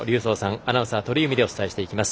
アナウンサー、鳥海でお伝えしていきます。